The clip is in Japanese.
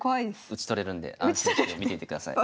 打ち取れるんで安心して見ていてください。